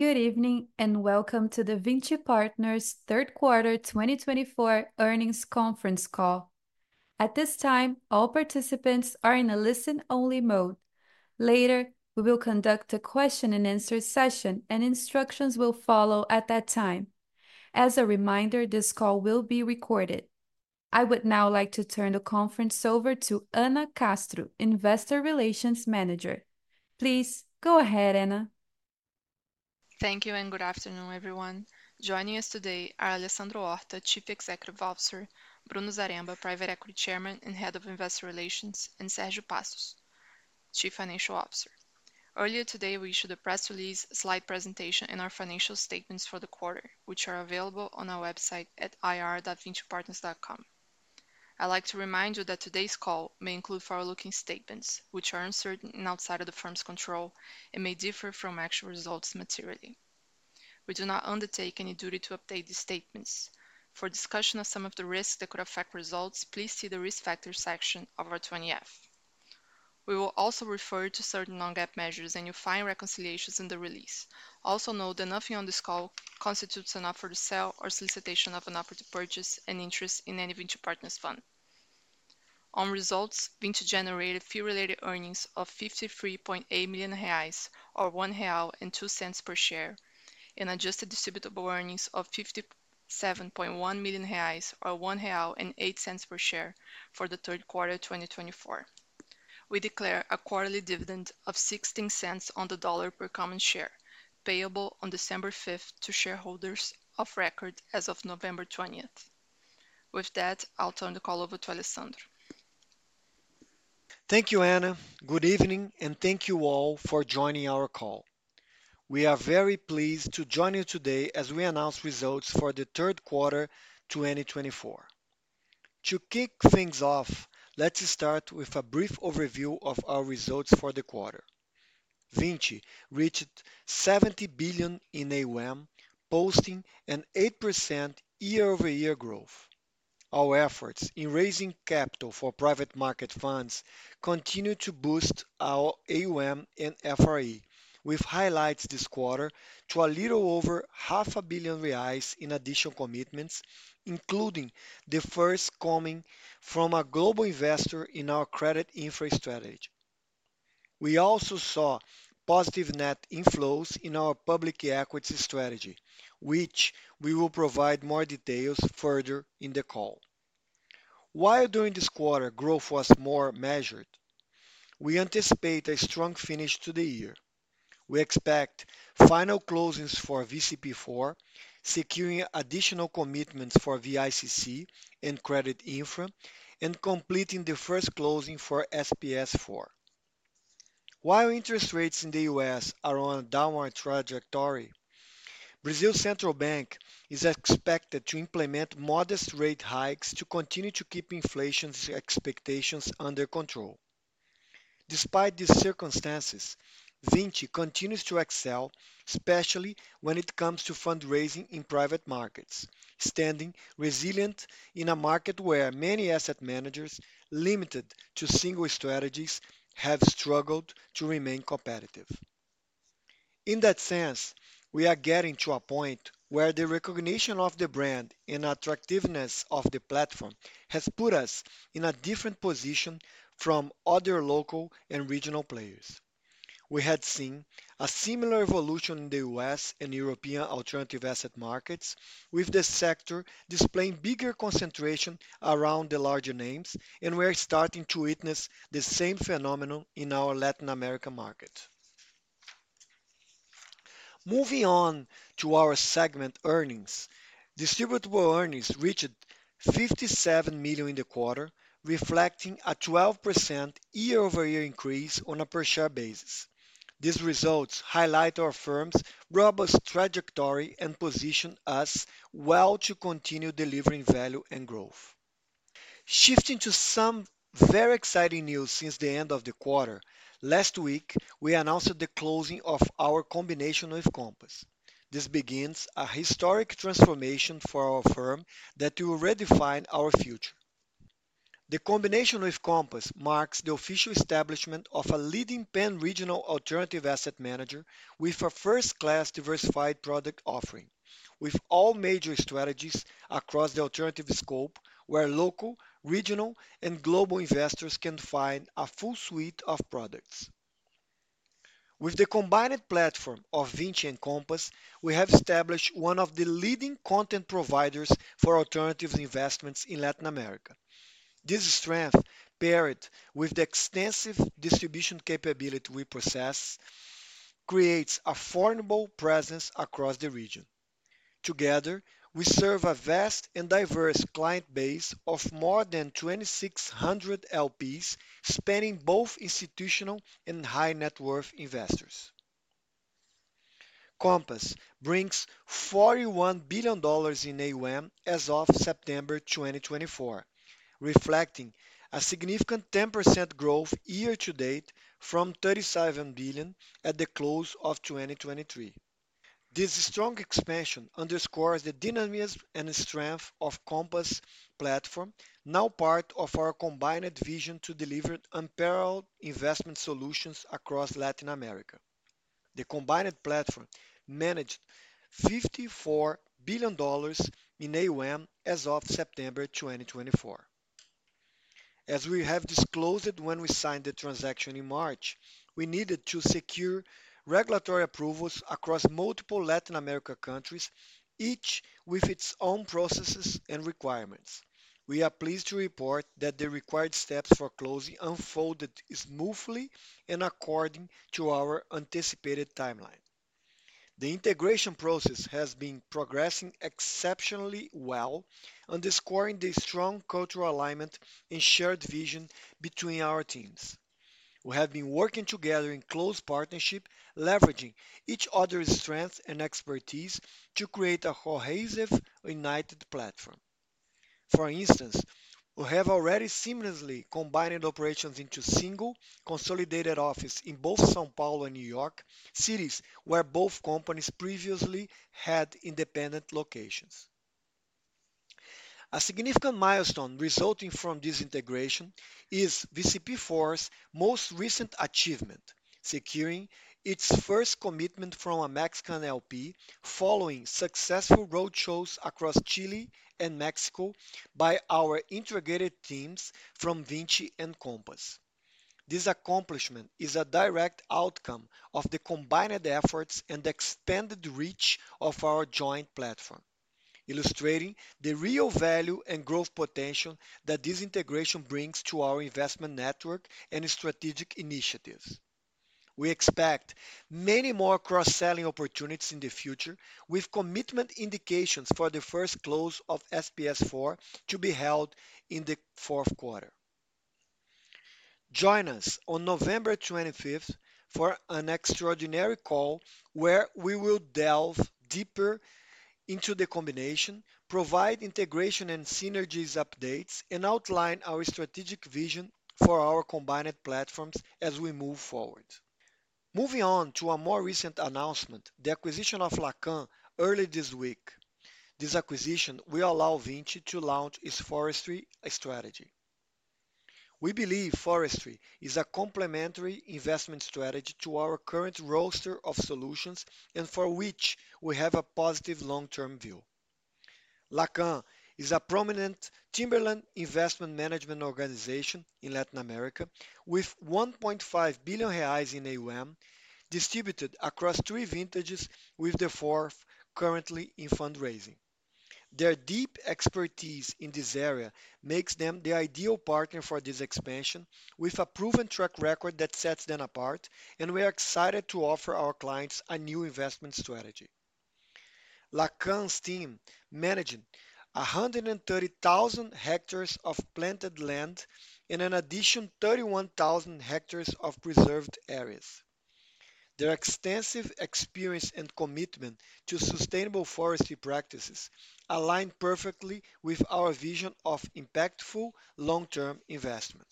Good evening and welcome to the Vinci Partners Q3 2024 earnings conference call. At this time, all participants are in a listen-only mode. Later, we will conduct a Q&A session, and instructions will follow at that time. As a reminder, this call will be recorded. I would now like to turn the conference over to Anna Castro, Investor Relations Manager. Please go ahead, Anna. Thank you and good afternoon, everyone. Joining us today are Alessandro Horta, Chief Executive Officer; Bruno Zaremba, Private Equity Chairman and Head of Investor Relations; and Sérgio Passos, Chief Financial Officer. Earlier today, we issued a press release, slide presentation, and our financial statements for the quarter, which are available on our website at ir.vincipartners.com. I'd like to remind you that today's call may include forward-looking statements, which are uncertain and outside of the firm's control, and may differ from actual results materially. We do not undertake any duty to update these statements. For discussion of some of the risks that could affect results, please see the Risk Factors section of our 20-F. We will also refer to certain non-GAAP measures and you'll find reconciliations in the release. Also note that nothing on this call constitutes an offer to sell or solicitation of an offer to purchase an interest in any Vinci Partners fund. On results, Vinci generated fee-related earnings of 53.8 million reais, or 1.02 real per share, and adjusted distributable earnings of 57.1 million reais, or 1.08 real per share, for Q3 2024. We declare a quarterly dividend of 0.16 on the dollar per common share, payable on December 5th to shareholders of record as of November 20th. With that, I'll turn the call over to Alessandro. Thank you, Anna. Good evening, and thank you all for joining our call. We are very pleased to join you today as we announce results for Q3 2024. To kick things off, let's start with a brief overview of our results for the quarter. Vinci reached $70 billion in AUM, posting an 8% year-over-year growth. Our efforts in raising capital for private market funds continue to boost our AUM and FRE, with highlights this quarter to a little over 0.5 billion reais in additional commitments, including the first coming from a global investor in our credit infrastructure. We also saw positive net inflows in our public equity strategy, which we will provide more details further in the call. While during this quarter, growth was more measured, we anticipate a strong finish to the year. We expect final closings for VCP IV, securing additional commitments for VICC and Credit Infra, and completing the first closing for SPS 4. While interest rates in the U.S. are on a downward trajectory, Brazil's central bank is expected to implement modest rate hikes to continue to keep inflation expectations under control. Despite these circumstances, Vinci continues to excel, especially when it comes to fundraising in private markets, standing resilient in a market where many asset managers, limited to single strategies, have struggled to remain competitive. In that sense, we are getting to a point where the recognition of the brand and attractiveness of the platform has put us in a different position from other local and regional players. We had seen a similar evolution in the U.S. and European alternative asset markets, with the sector displaying bigger concentration around the larger names, and we are starting to witness the same phenomenon in our Latin American market. Moving on to our segment, earnings. Distributable earnings reached 57M in the quarter, reflecting a 12% year-over-year increase on a per-share basis. These results highlight our firm's robust trajectory and position us well to continue delivering value and growth. Shifting to some very exciting news since the end of the quarter, last week we announced the closing of our combination with Compass. This begins a historic transformation for our firm that will redefine our future. The combination with Compass marks the official establishment of a leading pan-regional alternative asset manager with a first-class diversified product offering, with all major strategies across the alternative scope, where local, regional, and global investors can find a full suite of products. With the combined platform of Vinci and Compass, we have established one of the leading content providers for alternative investments in Latin America. This strength, paired with the extensive distribution capability we possess, creates a formidable presence across the region. Together, we serve a vast and diverse client base of more than 2,600 LPs, spanning both institutional and high-net-worth investors. Compass brings $41 billion in AUM as of September 2024, reflecting a significant 10% growth year-to-date from 37 billion at the close of 2023. This strong expansion underscores the dynamism and strength of the Compass platform, now part of our combined vision to deliver unparalleled investment solutions across Latin America. The combined platform managed $54 billion in AUM as of September 2024. As we have disclosed when we signed the transaction in March, we needed to secure regulatory approvals across multiple Latin American countries, each with its own processes and requirements. We are pleased to report that the required steps for closing unfolded smoothly and according to our anticipated timeline. The integration process has been progressing exceptionally well, underscoring the strong cultural alignment and shared vision between our teams. We have been working together in close partnership, leveraging each other's strengths and expertise to create a cohesive united platform. For instance, we have already seamlessly combined operations into single consolidated offices in both São Paulo and New York, cities where both companies previously had independent locations. A significant milestone resulting from this integration is VCP IV's most recent achievement, securing its first commitment from a Mexican LP, following successful roadshows across Chile and Mexico by our integrated teams from Vinci and Compass. This accomplishment is a direct outcome of the combined efforts and the expanded reach of our joint platform, illustrating the real value and growth potential that this integration brings to our investment network and strategic initiatives. We expect many more cross-selling opportunities in the future, with commitment indications for the first close of SPS4 to be held in the Q4. Join us on November 25th for an extraordinary call where we will delve deeper into the combination, provide integration and synergies updates, and outline our strategic vision for our combined platforms as we move forward. Moving on to a more recent announcement, the acquisition of Lacan early this week. This acquisition will allow Vinci to launch its forestry strategy. We believe forestry is a complementary investment strategy to our current roster of solutions and for which we have a positive long-term view. Lacan is a prominent timberland investment management organization in Latin America, with 1.5 billion reais in AUM, distributed across three vintages, with the fourth currently in fundraising. Their deep expertise in this area makes them the ideal partner for this expansion, with a proven track record that sets them apart, and we are excited to offer our clients a new investment strategy. Lacan's team manages 130,000 hectares of planted land and an additional 31,000 hectares of preserved areas. Their extensive experience and commitment to sustainable forestry practices align perfectly with our vision of impactful long-term investment.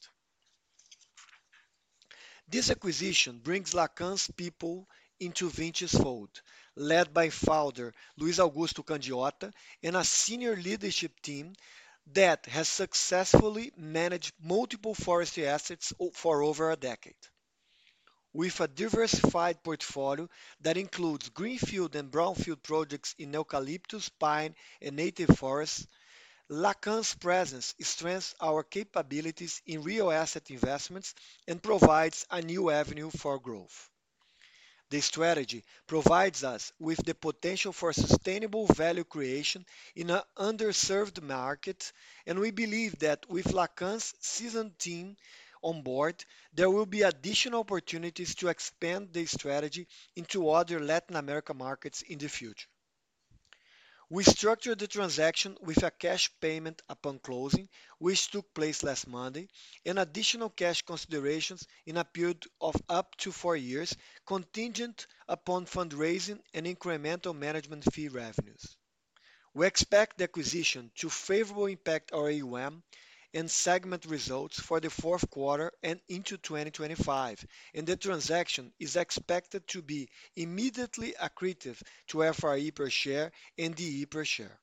This acquisition brings Lacan's people into Vinci's fold, led by founder Luiz Augusto Candiota and a senior leadership team that has successfully managed multiple forestry assets for over a decade. With a diversified portfolio that includes greenfield and brownfield projects in eucalyptus, pine, and native forests, Lacan's presence strengthens our capabilities in real asset investments and provides a new avenue for growth. The strategy provides us with the potential for sustainable value creation in an underserved market, and we believe that with Lacan's seasoned team on board, there will be additional opportunities to expand the strategy into other Latin American markets in the future. We structured the transaction with a cash payment upon closing, which took place last Monday, and additional cash considerations in a period of up to four years, contingent upon fundraising and incremental management fee revenues. We expect the acquisition to favorably impact our AUM and segment results for Q4 and into 2025, and the transaction is expected to be immediately accretive to FRE per share and DE per share.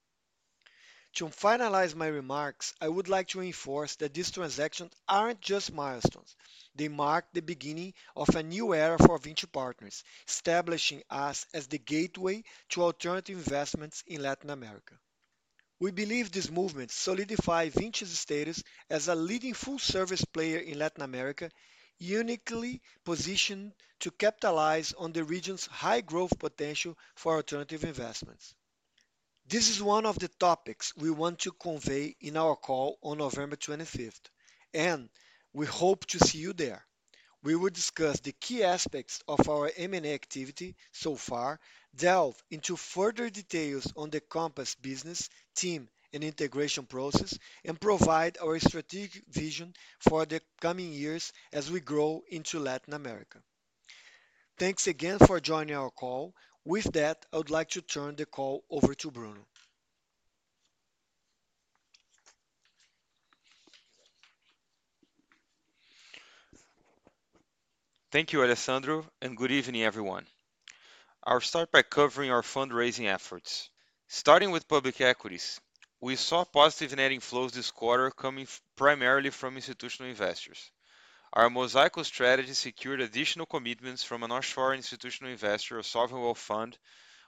To finalize my remarks, I would like to reinforce that these transactions aren't just milestones. They mark the beginning of a new era for Vinci Partners, establishing us as the gateway to alternative investments in Latin America. We believe these movements solidify Vinci's status as a leading full-service player in Latin America, uniquely positioned to capitalize on the region's high growth potential for alternative investments. This is one of the topics we want to convey in our call on November 25th, and we hope to see you there. We will discuss the key aspects of our M&A activity so far, delve into further details on the Compass business, team, and integration process, and provide our strategic vision for the coming years as we grow into Latin America. Thanks again for joining our call. With that, I would like to turn the call over to Bruno. Thank you, Alessandro, and good evening, everyone. I'll start by covering our fundraising efforts. Starting with public equities, we saw positive net inflows this quarter coming primarily from institutional investors. Our mosaic of strategies secured additional commitments from an offshore institutional investor, a sovereign wealth fund,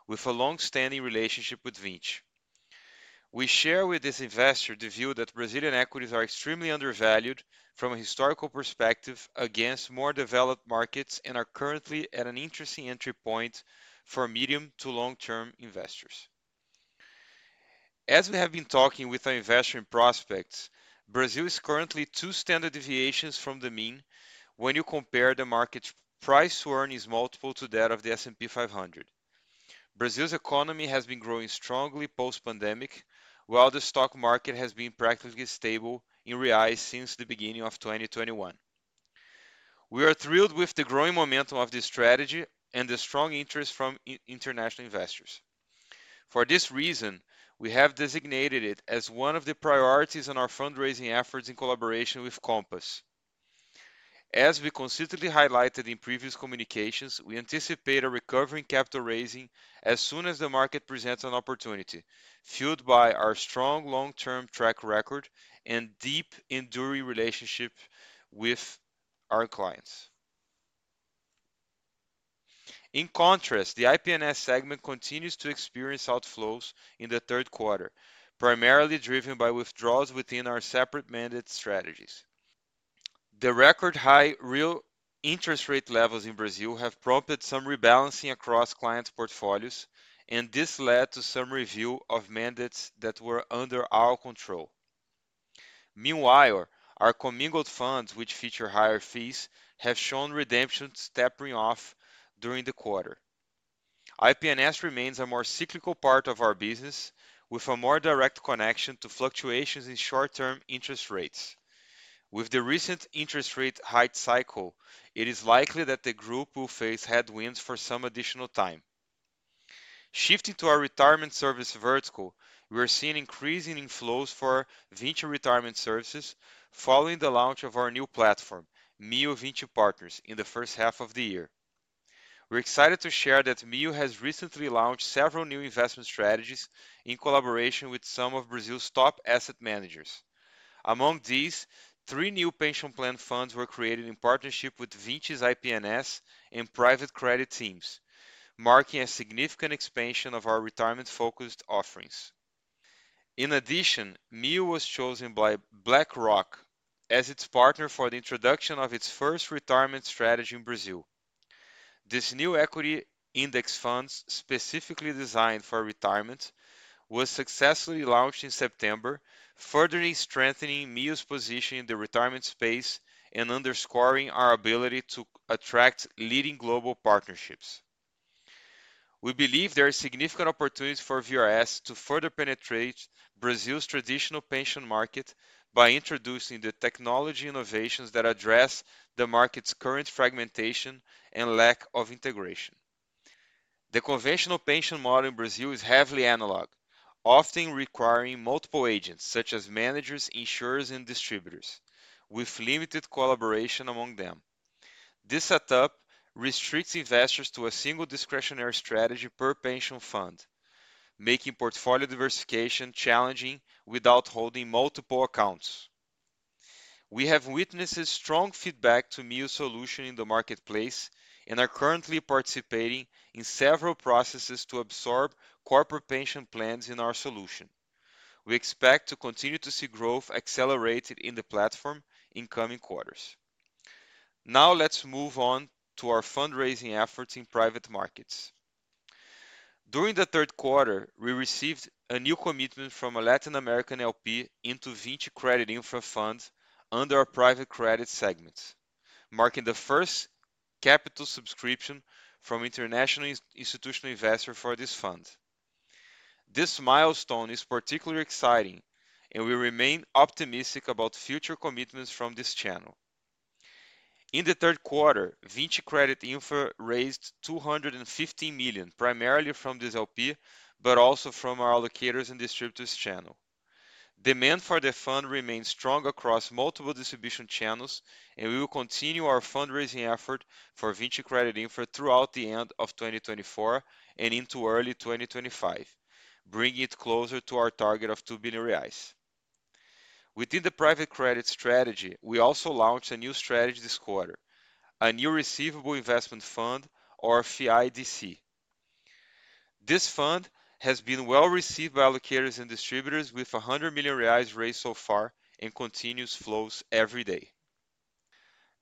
with a long-standing relationship with Vinci. We share with this investor the view that Brazilian equities are extremely undervalued from a historical perspective against more developed markets and are currently at an interesting entry point for medium to long-term investors. As we have been talking with our investment prospects, Brazil is currently two standard deviations from the mean when you compare the market's price-to-earnings multiple to that of the S&P 500. Brazil's economy has been growing strongly post-pandemic, while the stock market has been practically stable in reais since the beginning of 2021. We are thrilled with the growing momentum of this strategy and the strong interest from international investors. For this reason, we have designated it as one of the priorities in our fundraising efforts in collaboration with Compass. As we consistently highlighted in previous communications, we anticipate a recovering capital raising as soon as the market presents an opportunity, fueled by our strong long-term track record and deep enduring relationship with our clients. In contrast, the IPNS segment continues to experience outflows in the Q3, primarily driven by withdrawals within our separate mandate strategies. The record-high real interest rate levels in Brazil have prompted some rebalancing across clients' portfolios, and this led to some revocation of mandates that were under our control. Meanwhile, our commingled funds, which feature higher fees, have shown redemptions tapering off during the quarter. IPNS remains a more cyclical part of our business, with a more direct connection to fluctuations in short-term interest rates. With the recent interest rate hike cycle, it is likely that the group will face headwinds for some additional time. Shifting to our retirement service vertical, we are seeing increasing inflows for Vinci Retirement Services following the launch of our new platform, Mio Vinci Partners, in the first half of the year. We're excited to share that Mio has recently launched several new investment strategies in collaboration with some of Brazil's top asset managers. Among these, three new pension plan funds were created in partnership with Vinci's IPNS and private credit teams, marking a significant expansion of our retirement-focused offerings. In addition, Mio was chosen by BlackRock as its partner for the introduction of its first retirement strategy in Brazil. This new equity index fund, specifically designed for retirement, was successfully launched in September, further strengthening Mio's position in the retirement space and underscoring our ability to attract leading global partnerships. We believe there are significant opportunities for VRS to further penetrate Brazil's traditional pension market by introducing the technology innovations that address the market's current fragmentation and lack of integration. The conventional pension model in Brazil is heavily analog, often requiring multiple agents, such as managers, insurers, and distributors, with limited collaboration among them. This setup restricts investors to a single discretionary strategy per pension fund, making portfolio diversification challenging without holding multiple accounts. We have witnessed strong feedback to Mio's solution in the marketplace and are currently participating in several processes to absorb corporate pension plans in our solution. We expect to continue to see growth accelerated in the platform in coming quarters. Now, let's move on to our fundraising efforts in private markets. During the Q3, we received a new commitment from a Latin American LP into Vinci Credit Infrastructure Fund under our private credit segment, marking the first capital subscription from an international institutional investor for this fund. This milestone is particularly exciting, and we remain optimistic about future commitments from this channel. In the Q3, Vinci Credit Infrastructure raised $215 million, primarily from this LP, but also from our allocators and distributors channel. Demand for the fund remains strong across multiple distribution channels, and we will continue our fundraising effort for Vinci Credit Infrastructure throughout the end of 2024 and into early 2025, bringing it closer to our target of 2 billion reais. Within the private credit strategy, we also launched a new strategy this quarter, a new receivable investment fund, or FIDC. This fund has been well received by allocators and distributors, with 100 million reais raised so far and continuous flows every day.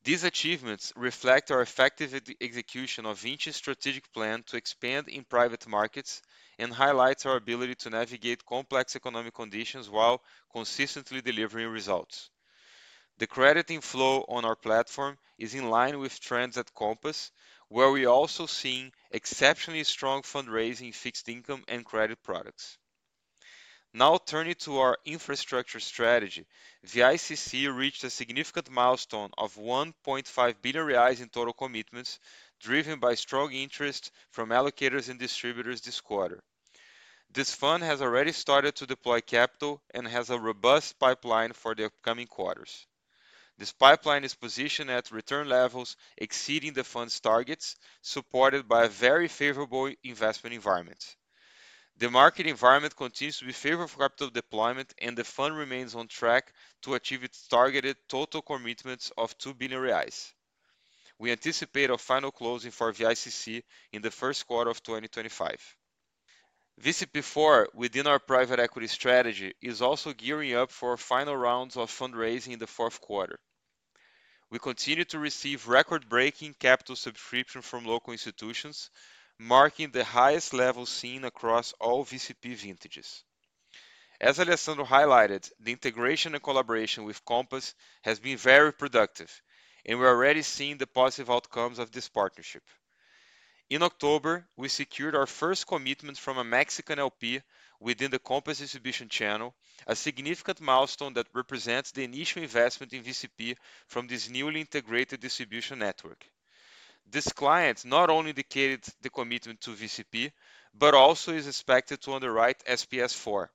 These achievements reflect our effective execution of Vinci's strategic plan to expand in private markets and highlight our ability to navigate complex economic conditions while consistently delivering results. The credit inflow on our platform is in line with trends at Compass, where we are also seeing exceptionally strong fundraising in fixed income and credit products. Now, turning to our infrastructure strategy, VICC reached a significant milestone of 1.5 billion reais in total commitments, driven by strong interest from allocators and distributors this quarter. This fund has already started to deploy capital and has a robust pipeline for the upcoming quarters. This pipeline is positioned at return levels exceeding the fund's targets, supported by a very favorable investment environment. The market environment continues to be favorable for capital deployment, and the fund remains on track to achieve its targeted total commitments of 2 billion reais. We anticipate a final closing for VICC in the Q1 of 2025. VCP IV, within our private equity strategy, is also gearing up for final rounds of fundraising in the Q4. We continue to receive record-breaking capital subscriptions from local institutions, marking the highest level seen across all VCP vintages. As Alessandro highlighted, the integration and collaboration with Compass has been very productive, and we are already seeing the positive outcomes of this partnership. In October, we secured our first commitment from a Mexican LP within the Compass distribution channel, a significant milestone that represents the initial investment in VCP from this newly integrated distribution network. This client not only indicated the commitment to VCP, but also is expected to underwrite SPS4.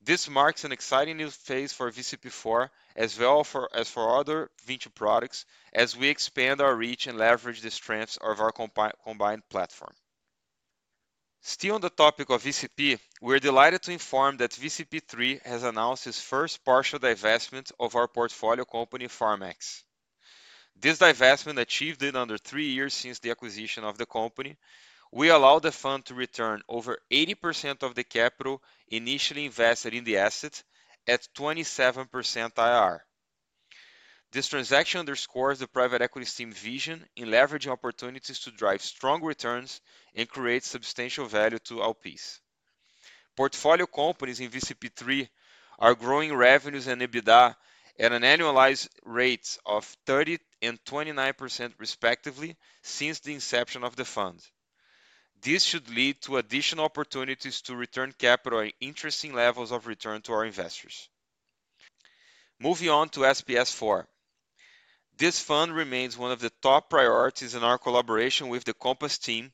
This marks an exciting new phase for VCP IV, as well as for other Vinci products, as we expand our reach and leverage the strengths of our combined platform. Still on the topic of VCP, we are delighted to inform that VCP III has announced its first partial divestment of our portfolio company, Farmax. This divestment, achieved in under three years since the acquisition of the company, will allow the fund to return over 80% of the capital initially invested in the asset at 27% IR. This transaction underscores the private equity team's vision in leveraging opportunities to drive strong returns and create substantial value to LPs. Portfolio companies in VCP III are growing revenues and EBITDA at annualized rates of 30% and 29%, respectively, since the inception of the fund. This should lead to additional opportunities to return capital at interesting levels of return to our investors. Moving on to SPS4, this fund remains one of the top priorities in our collaboration with the Compass team,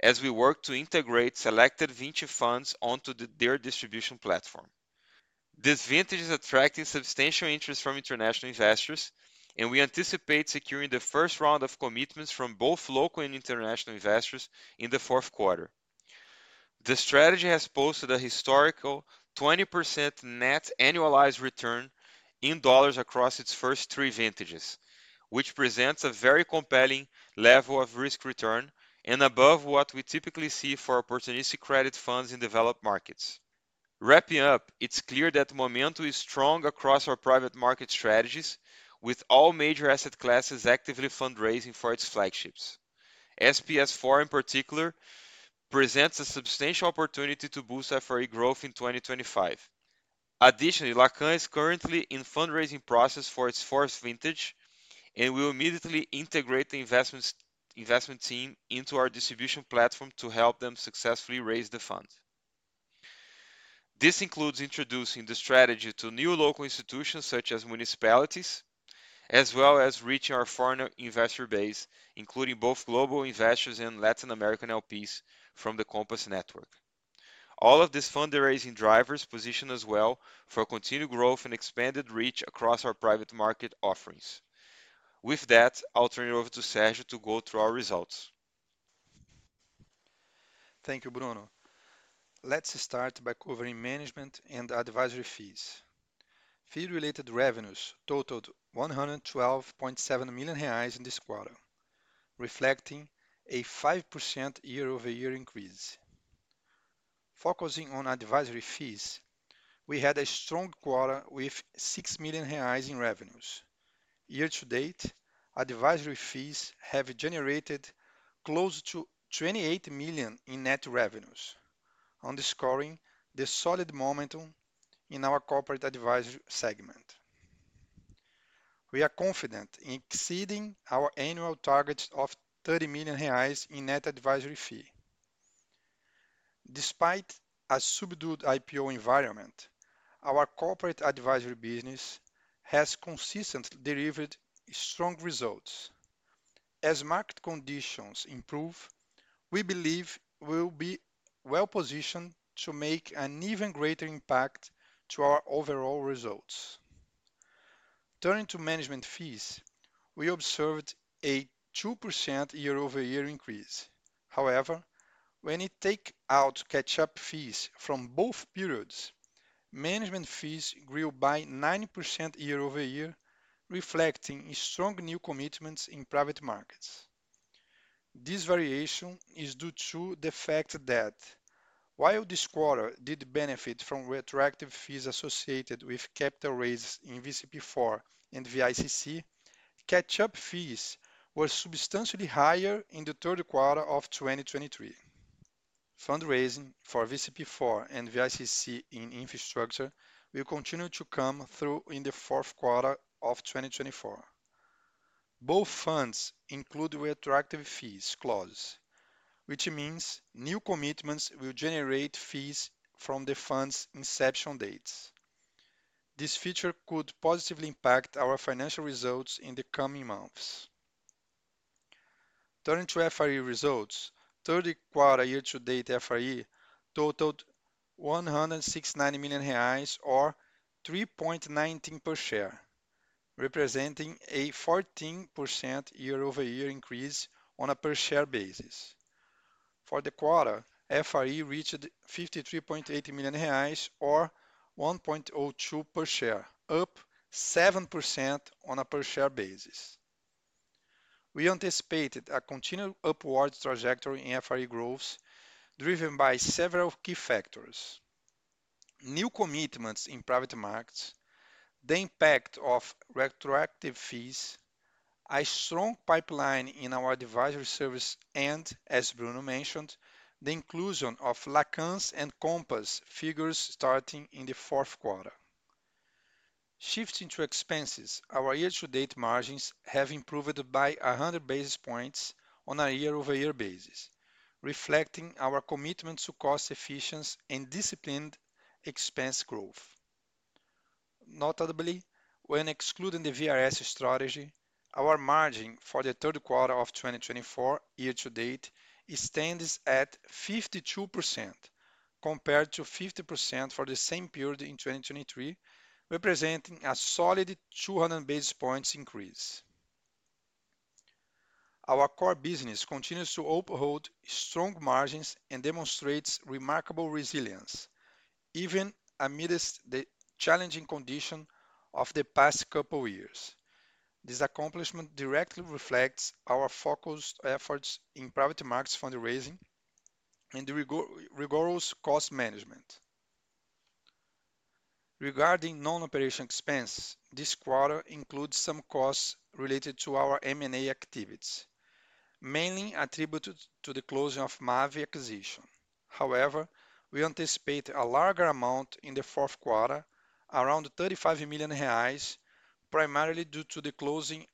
as we work to integrate selected Vinci funds onto their distribution platform. This vintage is attracting substantial interest from international investors, and we anticipate securing the first round of commitments from both local and international investors in the Q4. The strategy has posted a historical 20% net annualized return in dollars across its first three vintages, which presents a very compelling level of risk-return and above what we typically see for opportunistic credit funds in developed markets. Wrapping up, it's clear that the momentum is strong across our private market strategies, with all major asset classes actively fundraising for its flagships. SPS4, in particular, presents a substantial opportunity to boost FRE growth in 2025. Additionally, Lacan is currently in the fundraising process for its fourth vintage, and we will immediately integrate the investment team into our distribution platform to help them successfully raise the fund. This includes introducing the strategy to new local institutions such as municipalities, as well as reaching our foreign investor base, including both global investors and Latin American LPs from the Compass network. All of these fundraising drivers position us well for continued growth and expanded reach across our private market offerings. With that, I'll turn it over to Sérgio to go through our results. Thank you, Bruno. Let's start by covering management and advisory fees. Fee-related revenues totaled 112.7 million reais in this quarter, reflecting a 5% year-over-year increase. Focusing on advisory fees, we had a strong quarter with 6 million reais in revenues. Year-to-date, advisory fees have generated close to 28 million in net revenues, underscoring the solid momentum in our corporate advisory segment. We are confident in exceeding our annual target of 30 million reais in net advisory fee. Despite a subdued IPO environment, our corporate advisory business has consistently delivered strong results. As market conditions improve, we believe we will be well-positioned to make an even greater impact on our overall results. Turning to management fees, we observed a 2% year-over-year increase. However, when you take out catch-up fees from both periods, management fees grew by 9% year-over-year, reflecting strong new commitments in private markets. This variation is due to the fact that, while this quarter did benefit from retroactive fees associated with capital raises in VCP IV and VICC, catch-up fees were substantially higher in the Q3 of 2023. Fundraising for VCP IV and VICC in infrastructure will continue to come through in the Q4 of 2024. Both funds include retroactive fees clauses, which means new commitments will generate fees from the fund's inception dates. This feature could positively impact our financial results in the coming months. Turning to FRE results, Q3 year-to-date FRE totaled 169 million reais, or 3.19 per share, representing a 14% year-over-year increase on a per-share basis. For the quarter, FRE reached 53.8 million reais, or 1.02 per share, up 7% on a per-share basis. We anticipated a continued upward trajectory in FRE growth, driven by several key factors: new commitments in private markets, the impact of retroactive fees, a strong pipeline in our advisory service, and, as Bruno mentioned, the inclusion of Lacan’s and Compass figures starting in the Q4. Shifting to expenses, our year-to-date margins have improved by 100 basis points on a year-over-year basis, reflecting our commitment to cost efficiency and disciplined expense growth. Notably, when excluding the VRS strategy, our margin for Q3 of 2024 year-to-date stands at 52%, compared to 50% for the same period in 2023, representing a solid 200 basis points increase. Our core business continues to uphold strong margins and demonstrates remarkable resilience, even amidst the challenging conditions of the past couple of years. This accomplishment directly reflects our focused efforts in private market fundraising and rigorous cost management. Regarding non-operational expenses, this quarter includes some costs related to our M&A activities, mainly attributed to the closing of MAV acquisition. However, we anticipate a larger amount in the Q4, around 35 million reais, primarily due to the closing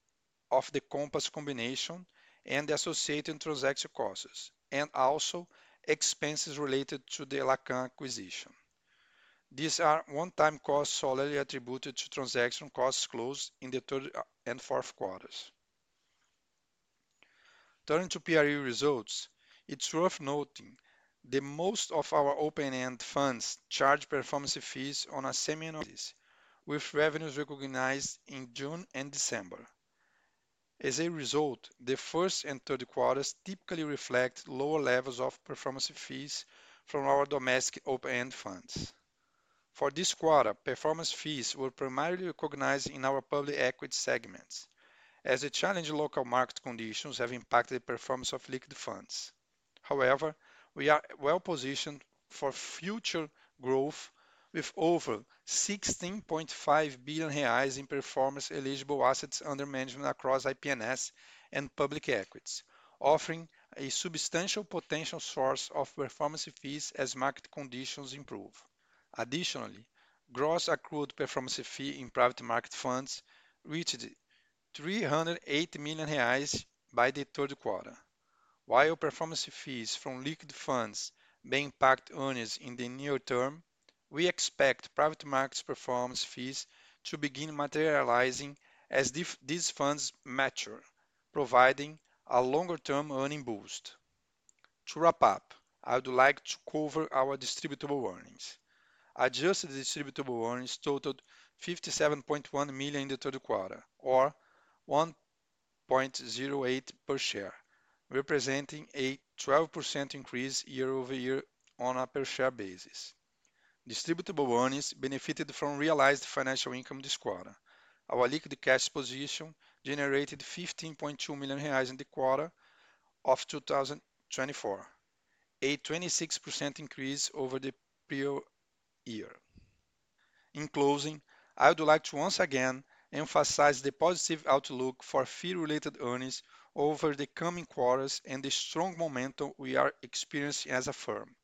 of the Compass combination and the associated transaction costs, and also expenses related to the Lacan acquisition. These are one-time costs solely attributed to transaction costs closed in the Q3 and Q4. Turning to FRE results, it's worth noting that most of our open-end funds charge performance fees on a semi-annual basis, with revenues recognized in June and December. As a result, the Q1 and Q3 typically reflect lower levels of performance fees from our domestic open-end funds. For this quarter, performance fees were primarily recognized in our public equity segments, as the challenging local market conditions have impacted the performance of liquid funds. However, we are well-positioned for future growth, with over 16.5 billion reais in performance-eligible assets under management across IPNS and public equities, offering a substantial potential source of performance fees as market conditions improve. Additionally, gross accrued performance fee in private market funds reached 308 million reais by Q3. While performance fees from liquid funds may impact earnings in the near term, we expect private market performance fees to begin materializing as these funds mature, providing a longer-term earning boost. To wrap up, I would like to cover our distributable earnings. Adjusted distributable earnings totaled 57.1 million in the Q3, or 1.08 per share, representing a 12% increase year-over-year on a per-share basis. Distributable earnings benefited from realized financial income this quarter. Our liquid cash position generated 15.2 million reais in the Q3 of 2024, a 26% increase over the prior year. In closing, I would like to once again emphasize the positive outlook for fee-related earnings over the coming quarters and the strong momentum we are experiencing as a firm.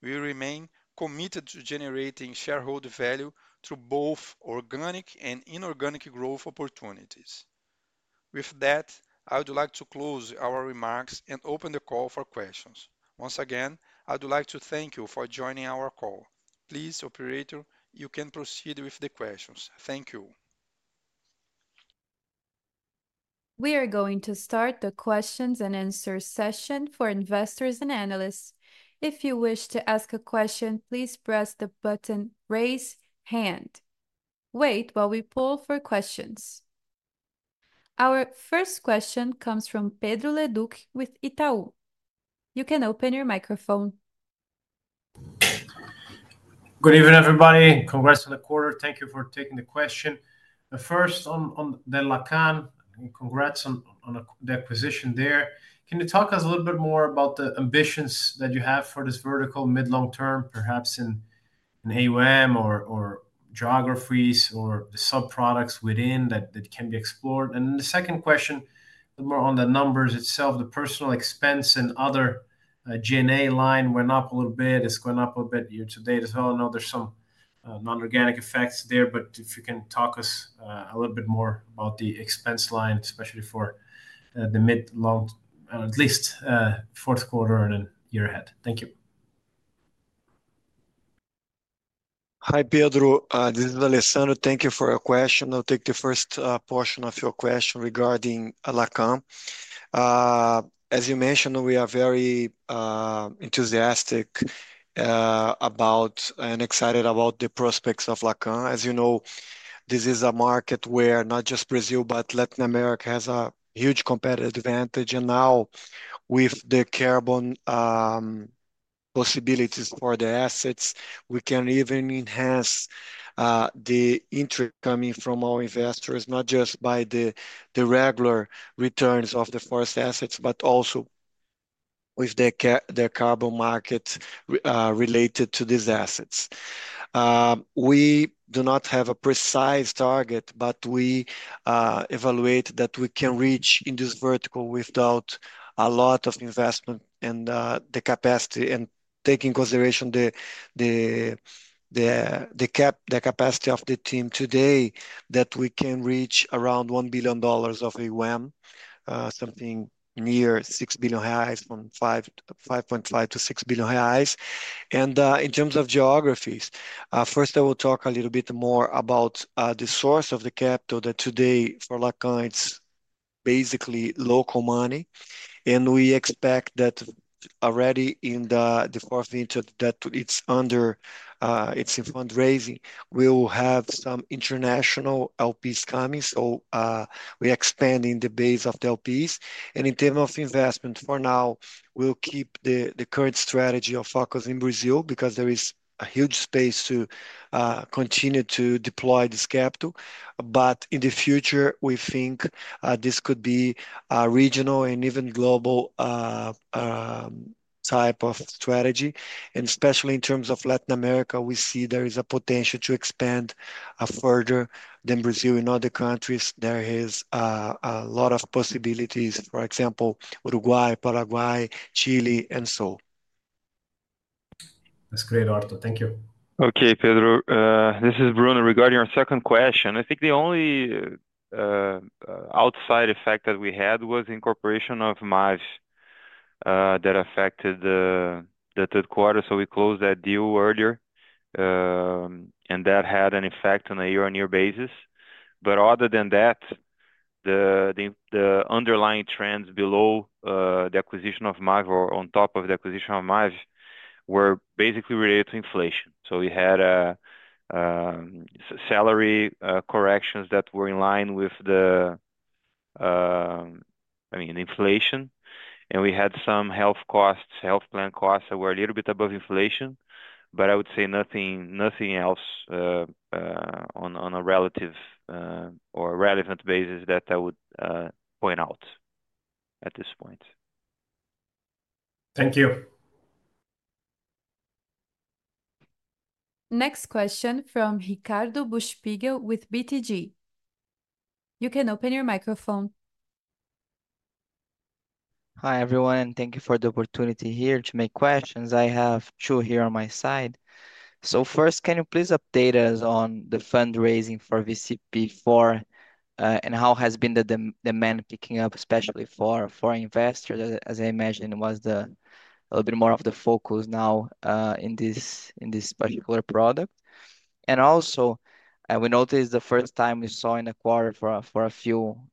We remain committed to generating shareholder value through both organic and inorganic growth opportunities. With that, I would like to close our remarks and open the call for questions. Once again, I would like to thank you for joining our call. Please, Operator, you can proceed with the questions. Thank you. We are going to start the questions and answers session for investors and analysts. If you wish to ask a question, please press the button "Raise Hand." Wait while we poll for questions. Our first question comes from Pedro Leduc with Itaú. You can open your microphone. Good evening, everybody. Congrats on the quarter. Thank you for taking the question. First, on the Lacan, congrats on the acquisition there. Can you talk us a little bit more about the ambitions that you have for this vertical mid-long term, perhaps in AUM or geographies or the subproducts within that can be explored? And then the second question, a bit more on the numbers itself, the personnel expense and other G&A line, went up a little bit. It's gone up a little bit year-to-date as well. I know there's some non-organic effects there, but if you can talk us a little bit more about the expense line, especially for the mid-long, at least Q4 and then year ahead. Thank you. Hi, Pedro. This is Alessandro. Thank you for your question. I'll take the first portion of your question regarding Lacan. As you mentioned, we are very enthusiastic about and excited about the prospects of Lacan. As you know, this is a market where not just Brazil, but Latin America has a huge competitive advantage. And now, with the carbon possibilities for the assets, we can even enhance the interest coming from our investors, not just by the regular returns of the forest assets, but also with their carbon markets related to these assets. We do not have a precise target, but we evaluate that we can reach in this vertical without a lot of investment and the capacity, and taking into consideration the capacity of the team today, that we can reach around $1 billion of AUM, something near R$6 billion from R$5.5-R$6 billion. In terms of geographies, first, I will talk a little bit more about the source of the capital that today for Lacan is basically local money. And we expect that already in the Q4, that it's under its fundraising, we will have some international LPs coming. So we are expanding the base of the LPs. And in terms of investment, for now, we'll keep the current strategy of focus in Brazil because there is a huge space to continue to deploy this capital. But in the future, we think this could be a regional and even global type of strategy. And especially in terms of Latin America, we see there is a potential to expand further than Brazil. In other countries, there are a lot of possibilities, for example, Uruguay, Paraguay, Chile, and so on. That's great, Artur. Thank you. Okay, Pedro. This is Bruno regarding our second question. I think the only outside effect that we had was incorporation of MAV that affected the Q3. So we closed that deal earlier, and that had an effect on a year-on-year basis. But other than that, the underlying trends below the acquisition of MAV or on top of the acquisition of MAV were basically related to inflation. So we had salary corrections that were in line with the, I mean, inflation. And we had some health costs, health plan costs that were a little bit above inflation. But I would say nothing else on a relative or relevant basis that I would point out at this point. Thank you. Next question from Ricardo Buchpiguel with BTG. You can open your microphone. Hi, everyone, and thank you for the opportunity here to make questions. I have Chu here on my side. So first, can you please update us on the fundraising for VCP IV and how has been the demand picking up, especially for foreign investors, as I imagine was a little bit more of the focus now in this particular product? And also, we noticed the first time we saw in a quarter for a few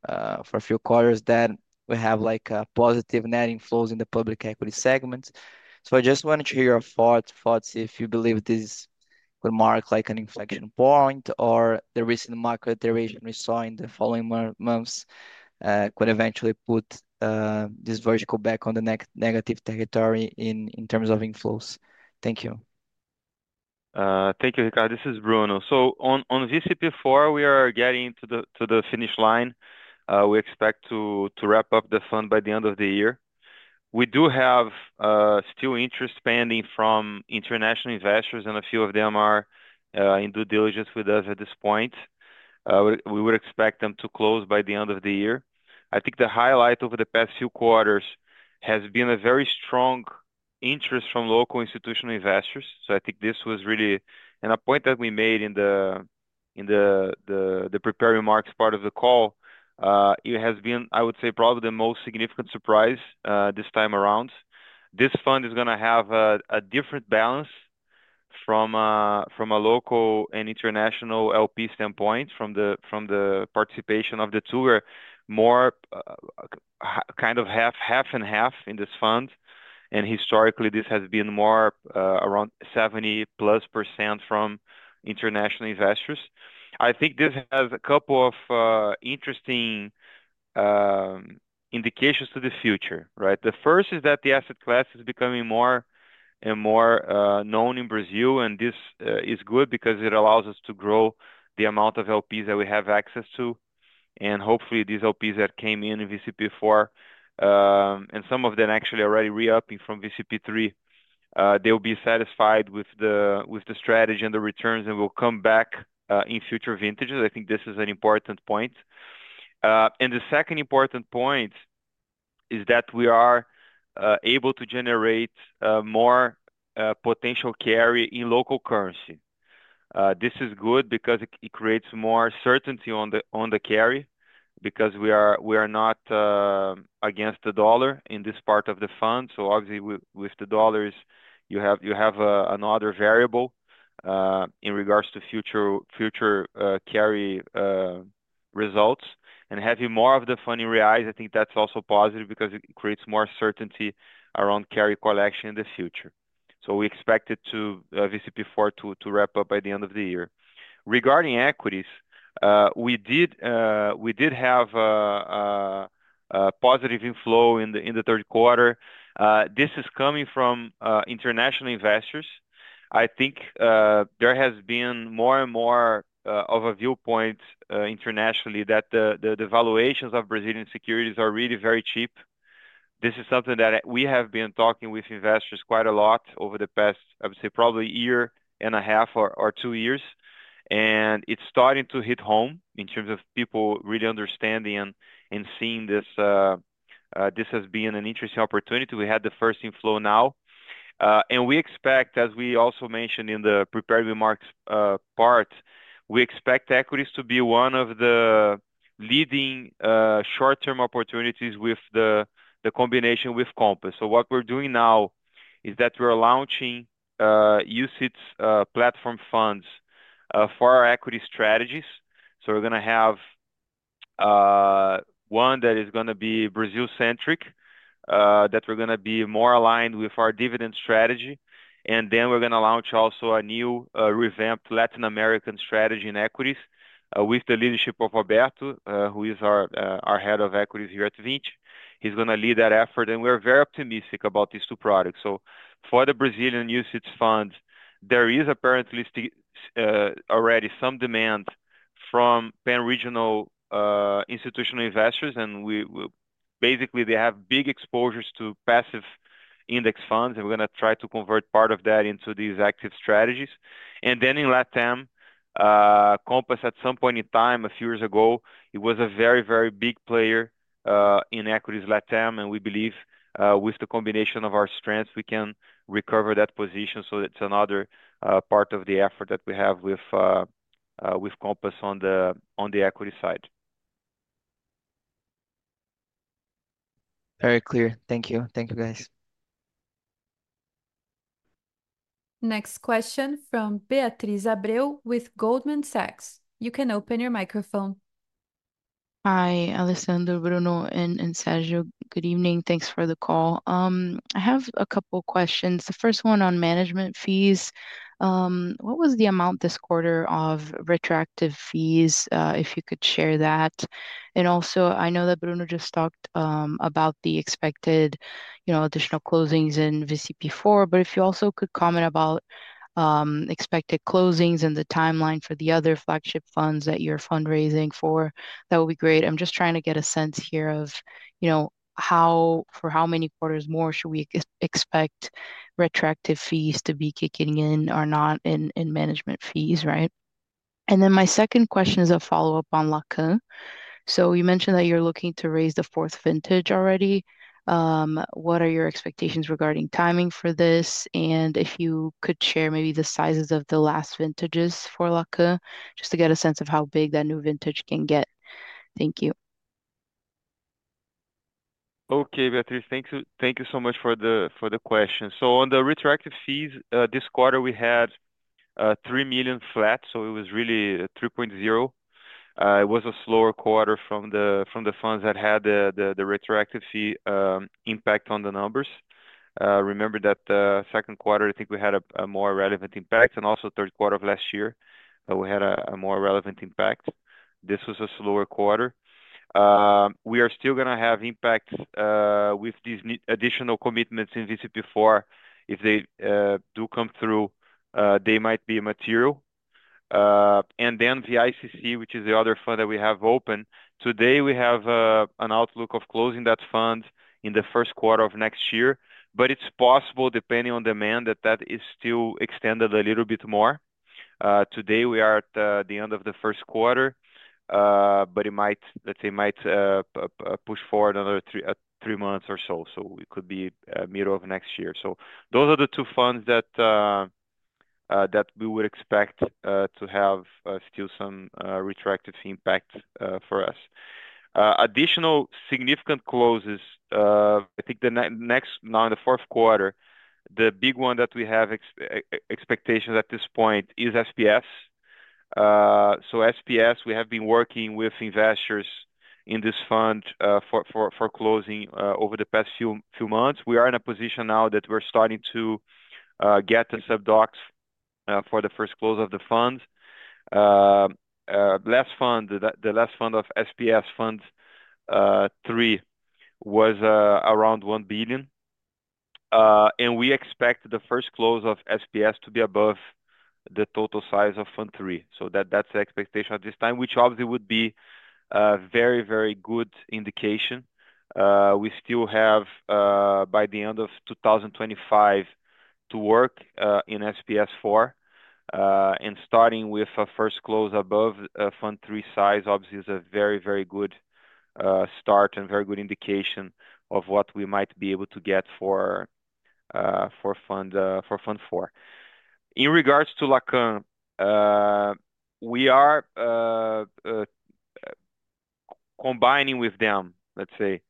quarters that we have like positive net inflows in the public equity segments. So I just wanted to hear your thoughts, if you believe this could mark like an inflection point or the recent market rotation we saw in the following months could eventually put this vertical back on the negative territory in terms of inflows. Thank you. Thank you, Ricardo. This is Bruno. So on VCP IV, we are getting to the finish line. We expect to wrap up the fund by the end of the year. We do have still interest pending from international investors, and a few of them are in due diligence with us at this point. We would expect them to close by the end of the year. I think the highlight over the past few quarters has been a very strong interest from local institutional investors. So I think this was really a point that we made in the preparing remarks part of the call. It has been, I would say, probably the most significant surprise this time around. This fund is going to have a different balance from a local and international LP standpoint, from the participation of the two where more kind of half and half in this fund. Historically, this has been more around 70% plus from international investors. I think this has a couple of interesting indications to the future. The first is that the asset class is becoming more and more known in Brazil, and this is good because it allows us to grow the amount of LPs that we have access to. And hopefully, these LPs that came in VCP IV, and some of them actually already re-upping from VCP III, they will be satisfied with the strategy and the returns and will come back in future vintages. I think this is an important point. And the second important point is that we are able to generate more potential carry in local currency. This is good because it creates more certainty on the carry because we are not against the dollar in this part of the fund. Obviously, with the dollars, you have another variable in regards to future carry results. And having more of the fund in reais, I think that's also positive because it creates more certainty around carry collection in the future. We expect VCP IV to wrap up by the end of the year. Regarding equities, we did have positive inflow in the Q3. This is coming from international investors. I think there has been more and more of a viewpoint internationally that the valuations of Brazilian securities are really very cheap. This is something that we have been talking with investors quite a lot over the past, I would say, probably a year and a half or two years. And it's starting to hit home in terms of people really understanding and seeing this as being an interesting opportunity. We had the first inflow now. We expect, as we also mentioned in the prepared remarks part, we expect equities to be one of the leading short-term opportunities with the combination with Compass. So what we're doing now is that we're launching UCITS platform funds for our equity strategies. So we're going to have one that is going to be Brazil-centric, that we're going to be more aligned with our dividend strategy. And then we're going to launch also a new revamped Latin American strategy in equities with the leadership of Roberto, who is our Head of Equities here at Vinci. He's going to lead that effort. And we're very optimistic about these two products. So for the Brazilian UCITS fund, there is apparently already some demand from pan-regional institutional investors. And basically, they have big exposures to passive index funds. And we're going to try to convert part of that into these active strategies. And then in LATAM, Compass, at some point in time, a few years ago, it was a very, very big player in equities, LATAM. And we believe with the combination of our strengths, we can recover that position. So it's another part of the effort that we have with Compass on the equity side. Very clear. Thank you. Thank you, guys. Next question from Beatriz Abreu with Goldman Sachs. You can open your microphone. Hi, Alessandro, Bruno, and Sérgio. Good evening. Thanks for the call. I have a couple of questions. The first one on management fees. What was the amount this quarter of retroactive fees if you could share that? And also, I know that Bruno just talked about the expected additional closings in VCP IV, but if you also could comment about expected closings and the timeline for the other flagship funds that you're fundraising for, that would be great. I'm just trying to get a sense here of for how many quarters more should we expect retroactive fees to be kicking in or not in management fees, right? And then my second question is a follow-up on Lacan. So you mentioned that you're looking to raise the fourth vintage already. What are your expectations regarding timing for this? And if you could share maybe the sizes of the last vintages for Lacan, just to get a sense of how big that new vintage can get? Thank you. Okay, Beatriz, thank you so much for the question. So on the retroactive fees, this quarter, we had 3 million flat. So it was really 3.0 million. It was a slower quarter from the funds that had the retroactive fee impact on the numbers. Remember that the second quarter, I think we had a more relevant impact. And also third quarter of last year, we had a more relevant impact. This was a slower quarter. We are still going to have impacts with these additional commitments in VCP IV. If they do come through, they might be material. And then VICC, which is the other fund that we have open, today we have an outlook of closing that fund in the first quarter of next year. But it's possible, depending on demand, that that is still extended a little bit more. Today, we are at the end of the first quarter, but it might, let's say, might push forward another three months or so, so it could be middle of next year, so those are the two funds that we would expect to have still some retroactive impact for us. Additional significant closes, I think the next now in the fourth quarter, the big one that we have expectations at this point is SPS, so SPS, we have been working with investors in this fund for closing over the past few months. We are in a position now that we're starting to get the subdocs for the first close of the fund. Last fund, the last fund of SPS, Fund 3, was around 1 billion, and we expect the first close of SPS to be above the total size of Fund 3. So that's the expectation at this time, which obviously would be a very, very good indication. We still have by the end of 2025 to work in SPS 4. And starting with a first close above Fund 3 size, obviously, is a very, very good start and very good indication of what we might be able to get for Fund 4. In regards to Lacan, we are combining with them, let's say,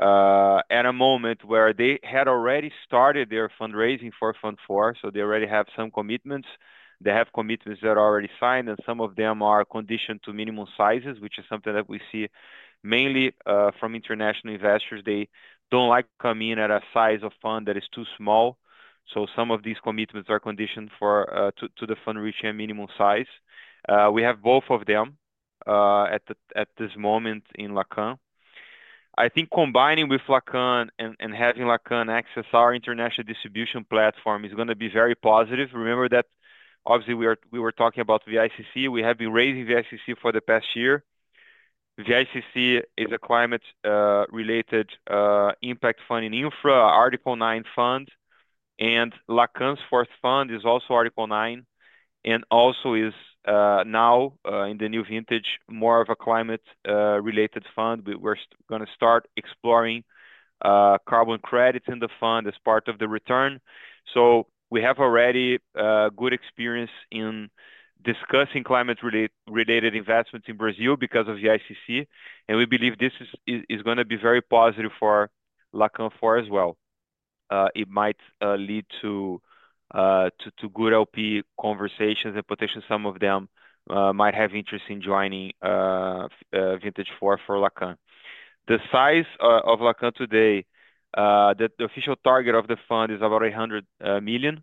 at a moment where they had already started their fundraising for Fund 4. So they already have some commitments. They have commitments that are already signed, and some of them are conditioned to minimum sizes, which is something that we see mainly from international investors. They don't like coming in at a size of fund that is too small. So some of these commitments are conditioned to the fund reaching a minimum size. We have both of them at this moment in Lacan. I think combining with Lacan and having Lacan access our international distribution platform is going to be very positive. Remember that obviously we were talking about VICC. We have been raising VICC for the past year. VICC is a climate-related impact fund in infra, Article 9 fund. And Lacan's fourth fund is also Article 9 and also is now in the new vintage more of a climate-related fund. We're going to start exploring carbon credits in the fund as part of the return. So we have already good experience in discussing climate-related investments in Brazil because of VICC. And we believe this is going to be very positive for Lacan 4 as well. It might lead to good LP conversations and potentially some of them might have interest in joining Vintage 4 for Lacan. The size of Lacan today, the official target of the fund is about 800 million.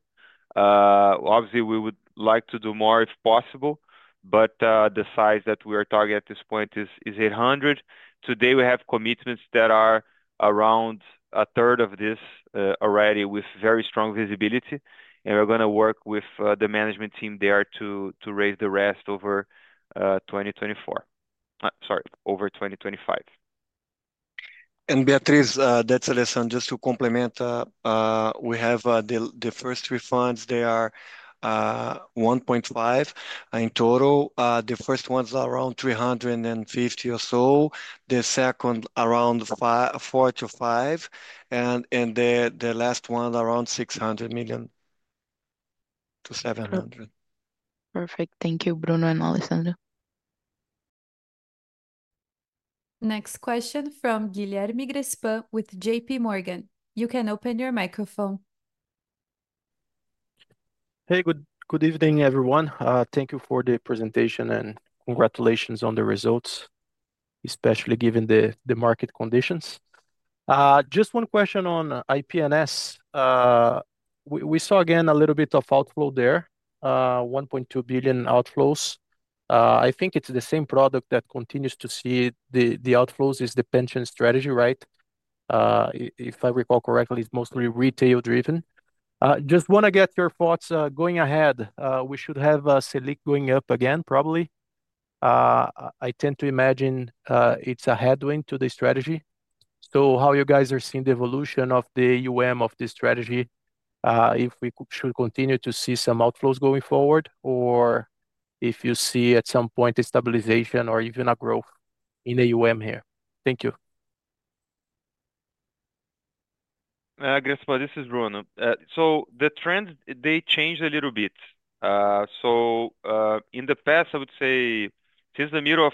Obviously, we would like to do more if possible, but the size that we are targeting at this point is 800. Today, we have commitments that are around a third of this already with very strong visibility. And we're going to work with the management team there to raise the rest over 2024, sorry, over 2025. Beatriz, that's a lesson just to complement. We have the first three funds, they are $1.5 billion in total. The first one's around $350 million or so. The second, around $400 million-$500 million. And the last one, around $600 million-$700 million. Perfect. Thank you, Bruno and Alessandro. Next question from Guilherme Grespan with J.P. Morgan. You can open your microphone. Hey, good evening, everyone. Thank you for the presentation and congratulations on the results, especially given the market conditions. Just one question on IPNS. We saw again a little bit of outflow there, 1.2 billion outflows. I think it's the same product that continues to see the outflows is the pension strategy, right? If I recall correctly, it's mostly retail-driven. Just want to get your thoughts going ahead. We should have a select going up again, probably. I tend to imagine it's a headwind to the strategy. So how you guys are seeing the evolution of the strategy, if we should continue to see some outflows going forward, or if you see at some point stabilization or even a growth in there. Thank you. Grespa, this is Bruno. So the trend, they changed a little bit. So in the past, I would say since the middle of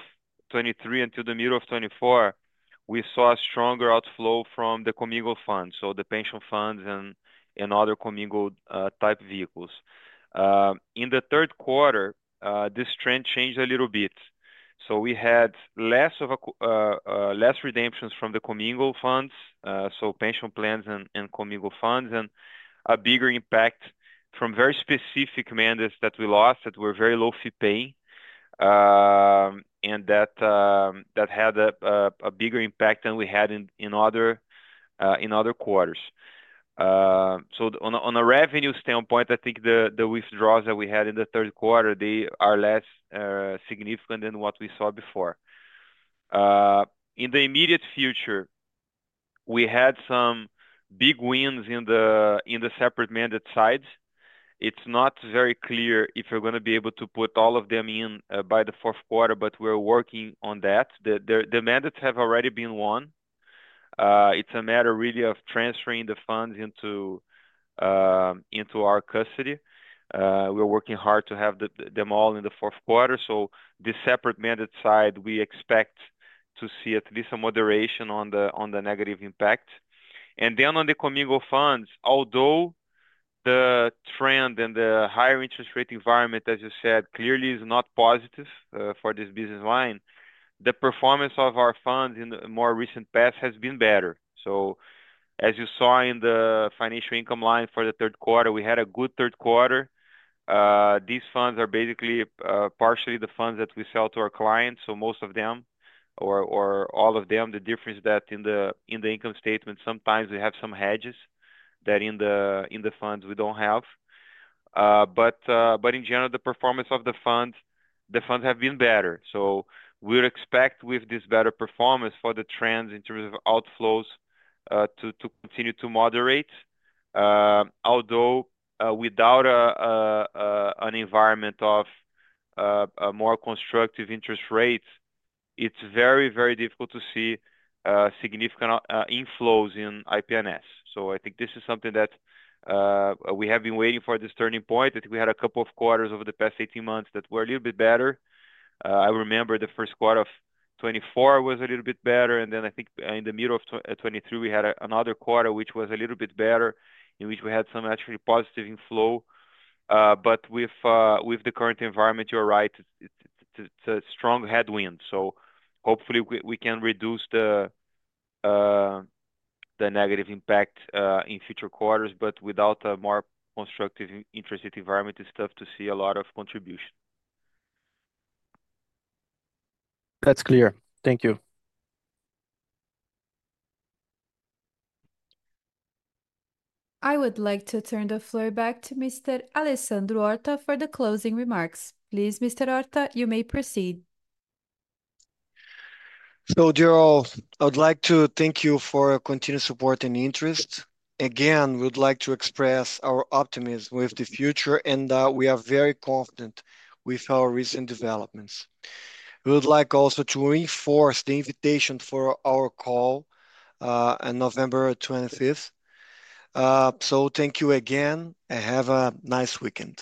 2023 until the middle of 2024, we saw a stronger outflow from the commingled fund, so the pension funds and other commingled type vehicles. In the third quarter, this trend changed a little bit. So we had less redemptions from the commingled funds, so pension plans and commingled funds, and a bigger impact from very specific mandates that we lost that were very low fee paying. And that had a bigger impact than we had in other quarters. So on a revenue standpoint, I think the withdrawals that we had in the third quarter, they are less significant than what we saw before. In the immediate future, we had some big wins in the separate mandate sides. It's not very clear if we're going to be able to put all of them in by the fourth quarter, but we're working on that. The mandates have already been won. It's a matter really of transferring the funds into our custody. We're working hard to have them all in the fourth quarter. So the separate mandate side, we expect to see at least a moderation on the negative impact. And then on the commingled funds, although the trend and the higher interest rate environment, as you said, clearly is not positive for this business line, the performance of our funds in the more recent past has been better. So as you saw in the financial income line for the third quarter, we had a good third quarter. These funds are basically partially the funds that we sell to our clients. So, most of them or all of them, the difference that in the income statement, sometimes we have some hedges that in the funds we don't have. But in general, the performance of the funds, the funds have been better. We would expect with this better performance for the trends in terms of outflows to continue to moderate. Although without an environment of more constructive interest rates, it's very, very difficult to see significant inflows in IPNS. I think this is something that we have been waiting for, this turning point. I think we had a couple of quarters over the past 18 months that were a little bit better. I remember the first quarter of 2024 was a little bit better. And then I think in the middle of 2023, we had another quarter, which was a little bit better, in which we had some actually positive inflow. But with the current environment, you're right, it's a strong headwind. So hopefully we can reduce the negative impact in future quarters, but without a more constructive interest rate environment, it's tough to see a lot of contribution. That's clear. Thank you. I would like to turn the floor back to Mr. Alessandro Horta for the closing remarks. Please, Mr. Horta, you may proceed. So Gerald, I would like to thank you for your continued support and interest. Again, we'd like to express our optimism with the future, and we are very confident with our recent developments. We would like also to reinforce the invitation for our call on November 25th. So thank you again. Have a nice weekend.